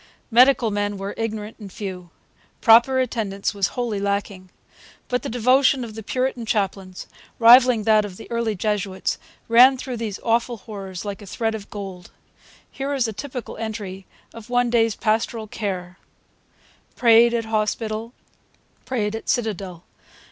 Medical men were ignorant and few. Proper attendance was wholly lacking. But the devotion of the Puritan chaplains, rivalling that of the early Jesuits, ran through those awful horrors like a thread of gold. Here is a typical entry of one day's pastoral care: 'Prayed at Hospital. Prayed at Citadel.